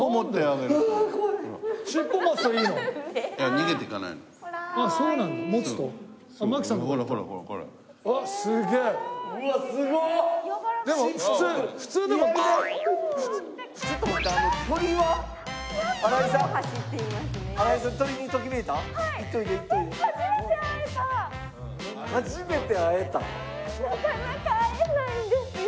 なかなか会えないんですよ